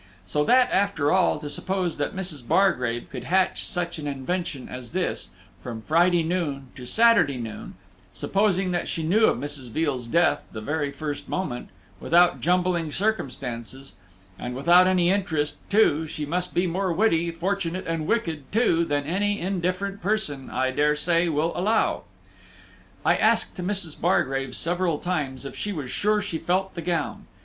So that, after all, to suppose that Mrs. Bargrave could hatch such an invention as this, from Friday noon to Saturday noon supposing that she knew of Mrs. Veal's death the very first moment without jumbling circumstances, and without any interest, too, she must be more witty, fortunate, and wicked, too, than any indifferent person, I dare say, will allow. I asked Mrs. Bargrave several times if she was sure she felt the gown.